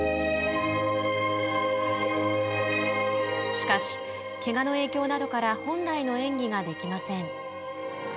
しかし、けがの影響などから本来の演技ができません。